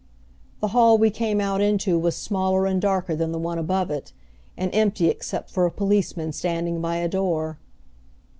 The hall we came out into was smaller and darker than the one above it, and empty except for a policeman standing by a door.